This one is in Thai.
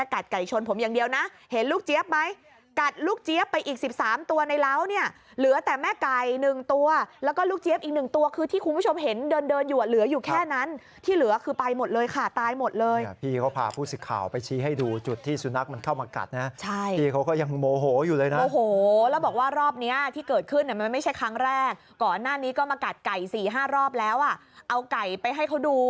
ไก่ตัวแพงไหมนะฮะนะฮะ